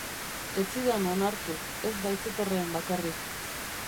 Ez zidan onartu, ez baitzetorren bakarrik.